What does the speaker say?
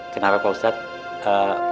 kenapa pak ustadz